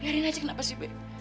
lihat aja kenapa sih be